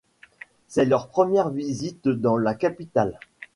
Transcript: C'est leur première visite dans la capitale...